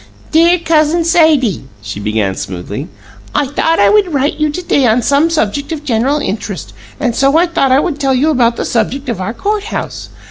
"'Dear Cousin Sadie,'" she began smoothly, "'I thought I would write you to day on some subject of general interest, and so I thought I would tell you about the subject of our court house.